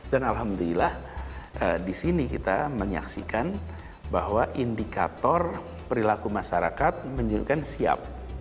dan alhamdulillah disini kita menyaksikan bahwa indikator perilaku masyarakat menunjukkan siap